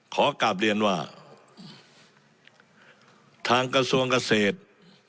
ขอกลับเรียนว่าทางกระทรวงเกษตร